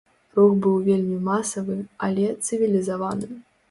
Рух быў вельмі масавы, але цывілізаваны.